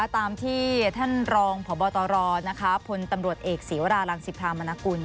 ตามที่ท่านรองผ่อบอตรนะคะผลตำรวจเอกศรีวรารังสิพรามณกุล